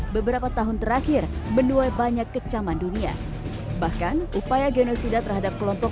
beberapa tahun terakhir benua banyak kecaman dunia bahkan upaya genosida terhadap kelompok